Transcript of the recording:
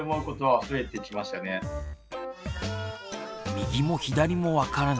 右も左も分からない